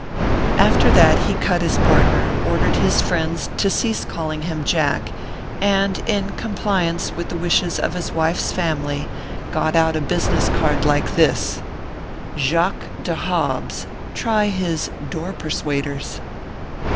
After that, he cut his partner, ordered his friends to cease calling him Jack, and in compliance with the wishes of his wife s family, got out a business card like this : t^ i_ | J&CQUSS DS HOBBS, TRY HIS DOOR PERSUADERS.